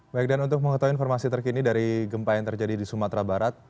baik dan untuk mengetahui informasi terkini dari gempa yang terjadi di sumatera barat